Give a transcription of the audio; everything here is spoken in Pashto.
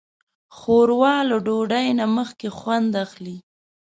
ښوروا له ډوډۍ نه مخکې خوند اخلي.